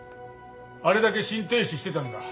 あれだけ心停止してたんだ。